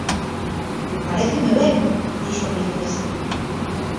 Paréceme ben! –dixo a princesa.